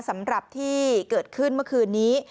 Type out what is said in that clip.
สำหรับที่เกิดขึ้นเมื่อคืนนี้